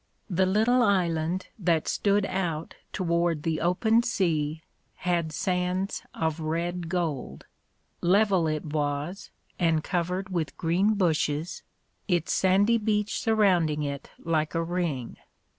The little island that stood out toward the open sea had sands of red gold; level it was and covered with green bushes, its sandy beach surrounding it like a ring.